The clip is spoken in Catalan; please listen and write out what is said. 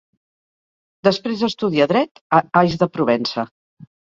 Després estudià dret a Ais de Provença.